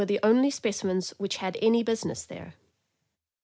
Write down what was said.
435 only specimens which had any business there.